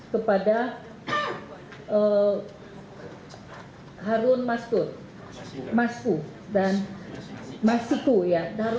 kepada harun masiku